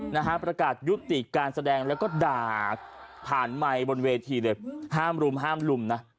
นะฮะประกาศยุติการแสดงแล้วก็ด่าผ่านไมค์บนเวทีเลยห้ามรุมห้ามลุมนะ